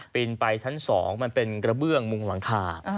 ไปชั้น๒มันเป็นกระเบื้องมุงหลังคา